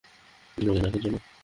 ধন্যবাদ সবাইকে এখানে আসার জন্য।